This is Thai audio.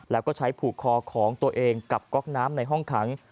แล้วก็ใช้ผูกคอของตัวเองกับก๊อกน้ำในห้องขัง